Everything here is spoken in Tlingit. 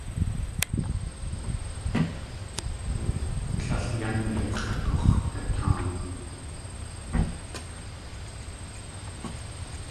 Tlél yánde x̲ʼagux̲dataan.